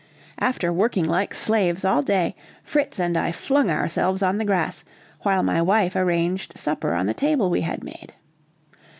After working like slaves all day, Fritz and I flung ourselves on the grass, while my wife arranged supper on the table we had made.